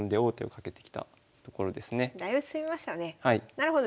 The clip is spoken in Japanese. なるほど。